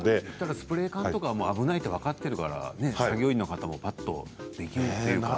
スプレー缶とかは危ないと分かっているから作業員の方もぱっとできるというかね。